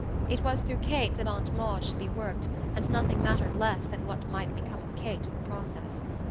It was through Kate that Aunt Maud should be worked, and nothing mattered less than what might become of Kate in the process.